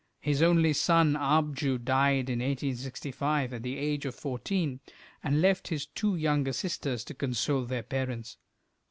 His only son, Abju, died in 1865, at the age of fourteen, and left his two younger sisters to console their parents.